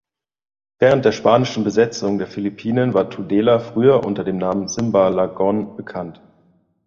Während der spanischen Besetzung der Philippinen war Tudela früher unter dem Namen Simbalagon bekannt.